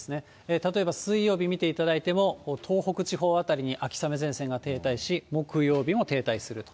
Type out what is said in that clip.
例えば、水曜日見ていただいても、東北地方辺りは秋雨前線が停滞し、木曜日も停滞すると。